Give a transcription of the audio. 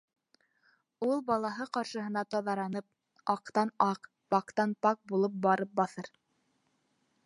Ул балаһы ҡаршыһына таҙарынып, аҡтан-аҡ, пактан-пак булып барып баҫыр!